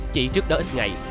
chỉ trước đó ít ngày